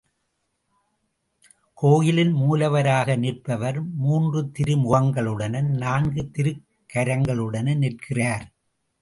கோயிலில் மூலவராக நிற்பவர் மூன்று திருமுகங்களுடனும் நான்கு திருக்கரங்களுடனும் நிற்கிறார்.